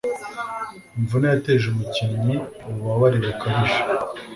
Imvune yateje umukinnyi ububabare bukabije